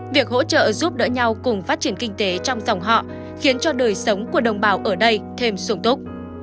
việc hỗ trợ giúp đỡ nhau cùng phát triển kinh tế trong dòng họ khiến cho đời sống của đồng bào ở đây thêm sung túc